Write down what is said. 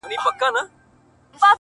یاره بس چي له مقامه را سوه سم,